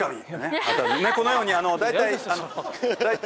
このように大体。